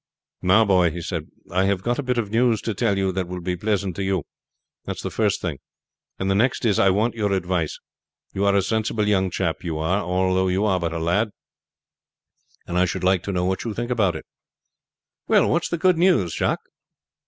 "Now, boy," he said, "I have got a bit of news to tell you that will be pleasant to you. That's the first thing; and the next is, I want your advice. You are a sensible young chap, you are, although you are but a lad, and I should like to know what you think about it." "Well, what's the good news, Jacques?"